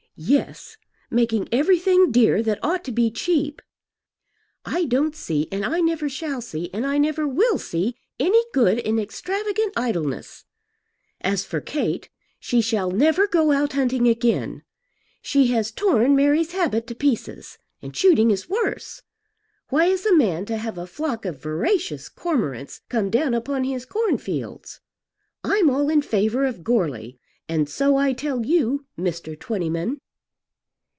"Yes; making everything dear that ought to be cheap. I don't see and I never shall see and I never will see any good in extravagant idleness. As for Kate she shall never go out hunting again. She has torn Mary's habit to pieces. And shooting is worse. Why is a man to have a flock of voracious cormorants come down upon his corn fields? I'm all in favour of Goarly, and so I tell you, Mr. Twentyman."